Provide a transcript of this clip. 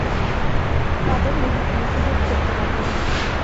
তাদের নসীহত করতে লাগলেন।